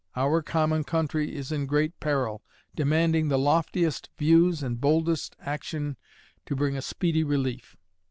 Our common country is in great peril, demanding the loftiest views and boldest action to bring a speedy relief.